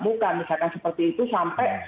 bukan misalkan seperti itu sampai